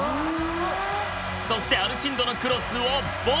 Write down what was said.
そしてアルシンドのクロスをボレー！